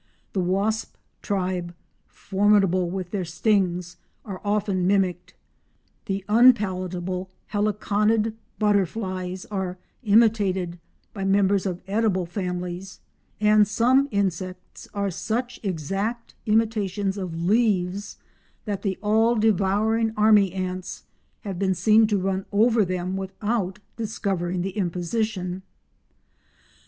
The wasp tribe—formidable with their stings—are often "mimicked"; the unpalatable Heliconid butterflies are "imitated" by members of edible families, and some insects are such exact imitations of leaves that the all devouring army ants have been seen to run over them without discovering the imposition.